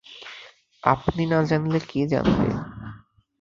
আপনি না জানলে কে জানবে?